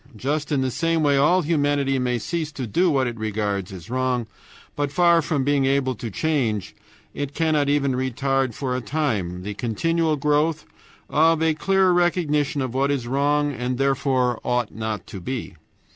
Just in the same way all humanity may cease to do what it regards as wrong, but far from being able to change, it cannot even retard for a time the continual growth of a clearer recognition of what is wrong and therefore ought not to be.